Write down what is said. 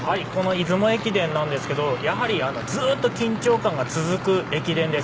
出雲駅伝なんですがずっと緊張感が続く駅伝です。